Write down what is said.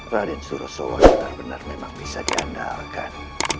raden surosowo benar benar memang bisa diandalkan